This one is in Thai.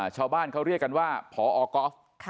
ชาวบ้านเขาเรียกกันว่าพอก๊อฟ